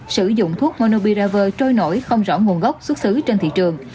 sử dụng thuốc monobiraver trôi nổi không rõ nguồn gốc xuất xứ trên thị trường